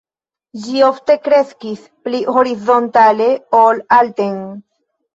Ĝi ofte kreskis pli horizontale ol alten.